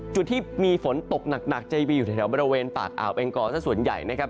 จุดที่มีฝนตกหนักจะมีอยู่แถวบริเวณปากอ่าวแองกอสักส่วนใหญ่นะครับ